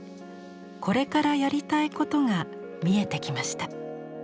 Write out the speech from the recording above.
これからやりたいことが見えてきました。